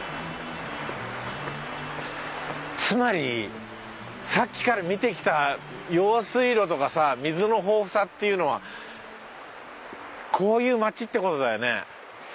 つまりさっきから見てきた用水路とかさ水の豊富さっていうのはこういう町って事だよね。